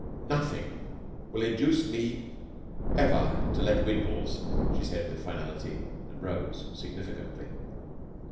"Nothing will induce me ever to let Windles," she said with finality, and rose significantly.